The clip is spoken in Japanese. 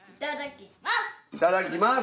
いただきます。